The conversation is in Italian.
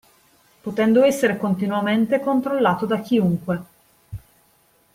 Potendo essere continuamente controllato da chiunque.